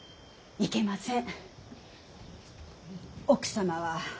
いけません。